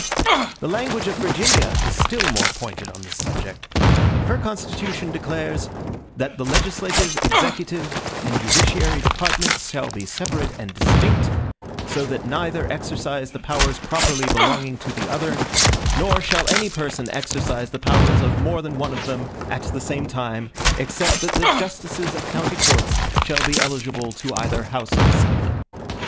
The language of Virginia is still more pointed on this subject. Her constitution declares, "that the legislative, executive, and judiciary departments shall be separate and distinct; so that neither exercise the powers properly belonging to the other; nor shall any person exercise the powers of more than one of them at the same time, except that the justices of county courts shall be eligible to either House of Assembly."